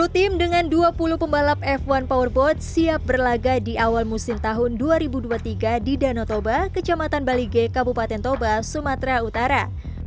sepuluh tim dengan dua puluh pembalap f satu powerboat siap berlaga di awal musim tahun dua ribu dua puluh tiga di danau toba kecamatan balige kabupaten toba sumatera utara